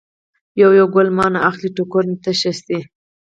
یو یو ګل مانه اخلي ټوکرۍ تشه شي.